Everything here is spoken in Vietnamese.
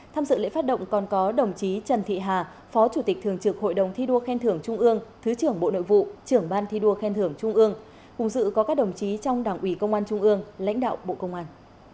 tham dự lễ phát động còn có đồng chí trần thị hà phó chủ tịch thường trực hội đồng thi đua khen thưởng trung ương thứ trưởng bộ nội vụ trưởng ban thi đua khen thưởng trung ương cùng dự có các đồng chí trong đảng ủy công an trung ương lãnh đạo bộ công an